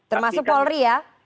termasuk polri ya